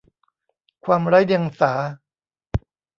ความไร้เดียงสา